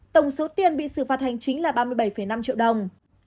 tổng số tiền bị xử phạt hành chính là ba mươi bảy năm triệu đồng